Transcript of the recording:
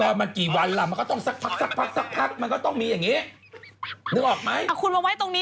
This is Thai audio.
ก็มันกี่วันล่ะมันก็ต้องสักพักมันก็ต้องมีอย่างนี้